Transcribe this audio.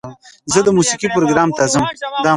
زه د موسیقۍ پروګرام ته ځم.